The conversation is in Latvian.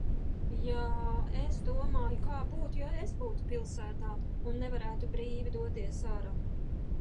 Jā, es domāju, kā būtu, ja es būtu pilsētā un nevarētu brīvi doties ārā.